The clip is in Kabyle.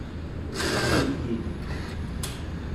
Sfaqent-k-id.